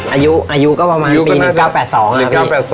อายุก็ประมาณปี๑๙๘๒อ่ะพี่